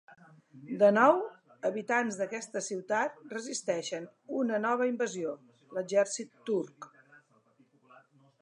De nou, habitants d’aquesta ciutat resisteixen una nova invasió: l’exèrcit turc.